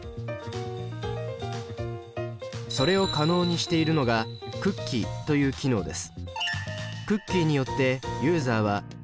それを可能にしているのがクッキーという機能です。